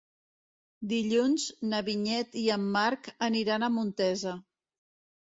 Dilluns na Vinyet i en Marc aniran a Montesa.